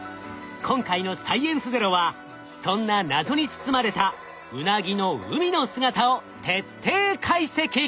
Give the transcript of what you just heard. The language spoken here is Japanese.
今回の「サイエンスＺＥＲＯ」はそんな謎に包まれたウナギの海の姿を徹底解析。